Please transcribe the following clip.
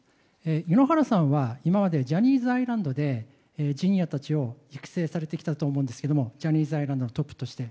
井ノ原さんは今までジャニーズアイランドでＪｒ．たちを育成されてきたと思うんですがジャニーズアイランドのトップとして。